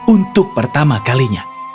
untuk pertama kalinya